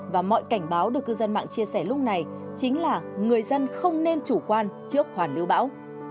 và mọi cảnh báo được cư dân mạng chia sẻ lúc này chính là người dân không nên chủ quan trước hoàn lưu bão